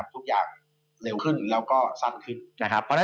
ทุกอย่างเร็วขึ้นแล้วก็สั้นขึ้นนะครับ